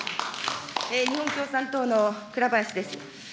日本共産党の倉林です。